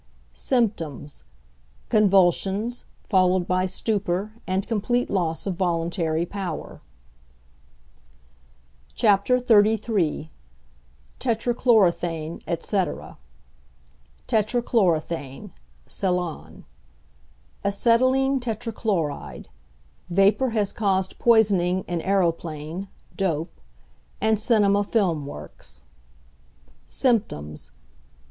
Symptoms. Convulsions, followed by stupor and complete loss of voluntary power. XXXIII. TETRACHLORETHANE, ETC. =Tetrachlorethane= ('Cellon'). Acetylene tetrachloride; vapour has caused poisoning in aeroplane ('dope') and cinema film works. _Symptoms.